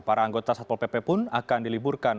para anggota satpol pp pun akan diliburkan